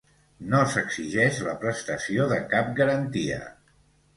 No s'exigeix la prestació de cap garantia.